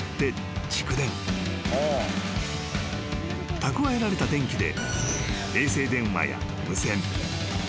［蓄えられた電気で］